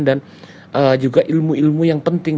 dan juga ilmu ilmu yang penting